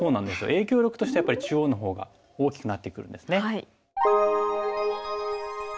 影響力としてはやっぱり中央の方が大きくなってくるんですね。